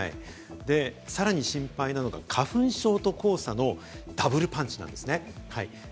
さらに心配なのが花粉症と黄砂のダブルパンチなんですね。